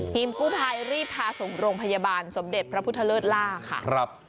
กู้ภัยรีบพาส่งโรงพยาบาลสมเด็จพระพุทธเลิศล่าค่ะ